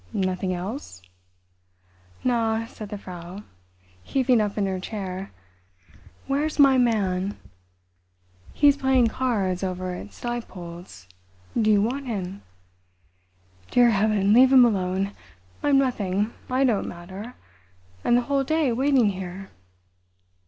"Nothing else?" "Na," said the Frau, heaving up in her chair. "Where's my man?" "He's playing cards over at Snipold's. Do you want him?" "Dear heaven, leave him alone. I'm nothing. I don't matter.... And the whole day waiting here."